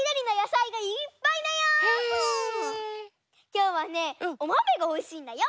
きょうはねおまめがおいしいんだよ。